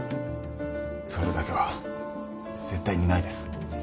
それだけは絶対にないです